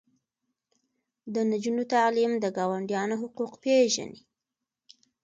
د نجونو تعلیم د ګاونډیانو حقوق پیژني.